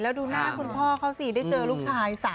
แล้วดูหน้าคุณพ่อเขาสิได้เจอลูกชาย๓